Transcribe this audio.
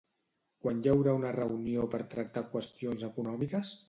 Quan hi haurà una reunió per tractar qüestions econòmiques?